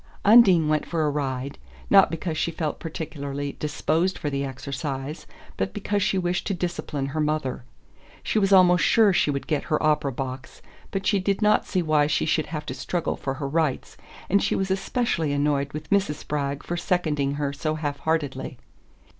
Undine went for a ride, not because she felt particularly disposed for the exercise, but because she wished to discipline her mother. She was almost sure she would get her opera box, but she did not see why she should have to struggle for her rights, and she was especially annoyed with Mrs. Spragg for seconding her so half heartedly.